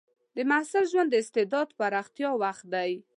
د محصل ژوند د استعداد پراختیا وخت دی.